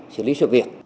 xử lý sự việc